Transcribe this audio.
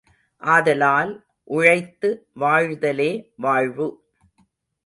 ஆதலால் உழைத்து வாழ்தலே வாழ்வு.